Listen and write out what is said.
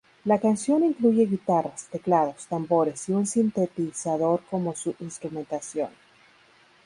La canción incluye guitarras, teclados, tambores y un sintetizador como su instrumentación.